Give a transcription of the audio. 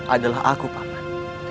adalah aku paman